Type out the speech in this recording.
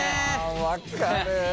分かる。